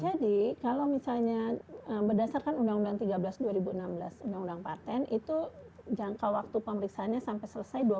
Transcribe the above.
kalau misalnya berdasarkan undang undang tiga belas dua ribu enam belas undang undang patent itu jangka waktu pemeriksaannya sampai selesai